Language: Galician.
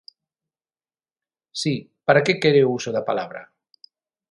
Si, ¿para que quere o uso da palabra?